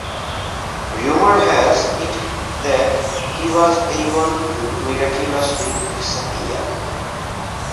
Rumour has it that he was able to miraculously disappear.